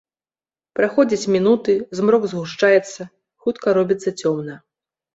Праходзяць мінуты, змрок згушчаецца, хутка робіцца цёмна.